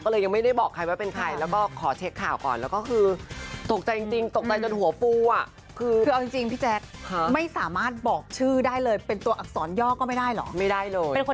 คือเราจริงพี่แจ๊กคือไม่สามารถบอกชื่อได้เลยเป็นตัวอักษรยอกก็ไม่ได้เหรอไม่ได้โดยคน